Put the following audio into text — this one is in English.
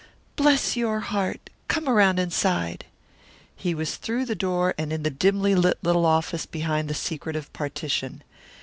"Bless your heart! Come around inside." He was through the door and in the dimly lit little office behind that secretive partition.